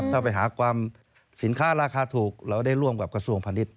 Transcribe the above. ถ้าไปหาความสินค้าราคาถูกเราได้ร่วมกับกระทรวงพาณิชย